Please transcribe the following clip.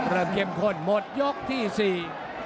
เข้มข้นหมดยกที่สี่